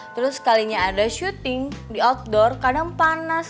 terus sekalinya ada syuting di outdoor kadang panas